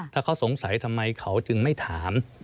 ถ้าเขาสงสัยทำไมเขาจึงไม่ถาม